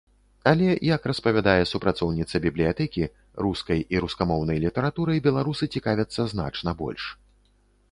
Але, як распавядае супрацоўніца бібліятэкі, рускай і рускамоўнай літаратурай беларусы цікавяцца значна больш.